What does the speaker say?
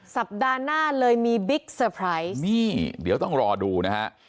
สัปดาห์หน้าเลยมีบิ๊กเซอร์ไพรส์นี่เดี๋ยวต้องรอดูนะฮะ